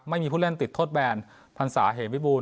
ไม่มีผู้เล่นติดโทษแบนพรรษาเหวิบูร